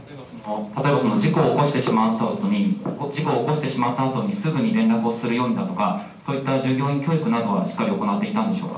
例えば事故を起こしてしまったあとにすぐに連絡をするようにだとか、そういった従業員教育などは、しっかりと行っていたんでしょう